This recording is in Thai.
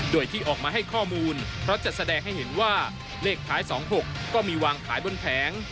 โดยที่ออกมาให้ข้อมูลเพราะจะแสดงให้เห็นว่าเลขท้าย๒๖ก็มีวางขายบนแผง